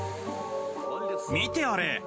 見てあれ。